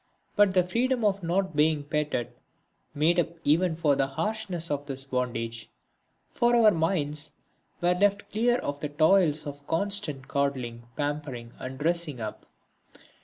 But the freedom of not being petted made up even for the harshness of this bondage, for our minds were left clear of the toils of constant coddling, pampering and dressing up.